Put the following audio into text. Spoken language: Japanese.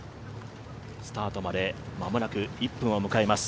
スタートまで間もなく１分を迎えます。